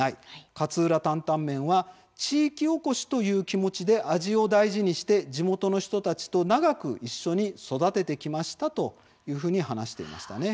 勝浦タンタンメンは地域おこしという気持ちで味を大事にして地元の人たちと長く一緒に育ててきましたと話していました。